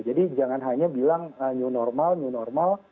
jadi jangan hanya bilang new normal new normal